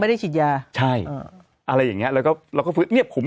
ไม่ได้ฉีดยาใช่อ่ะอะไรอย่างเงี้ยแล้วก็แล้วก็เนี้ยผม